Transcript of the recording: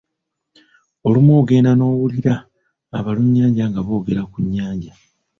Olumu ogenda n’owulira abalunnyanja nga boogera ku nnyanja.